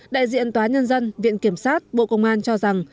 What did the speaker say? đại diện tòa nhân dân viện kiểm sát bộ công an cho rằng